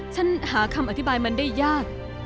ฉันหาคำอธิบายมันได้ยาก